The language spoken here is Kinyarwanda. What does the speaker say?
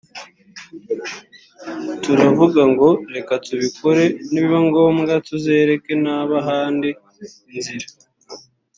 turavuga ngo reka tubikore nibiba ngombwa tuzereke n’abahandi inzira